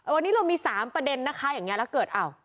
วันนี้เรามี๓ประเด็นนะคะอย่างนี้แล้วเกิดอ้าว